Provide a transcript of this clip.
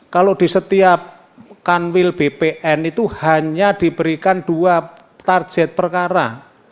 kalau di setiap kanwil bpn itu hanya diberikan dua target perkara